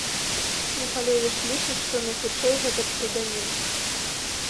Міхалевіч лічыць, што найхутчэй гэта псеўданім.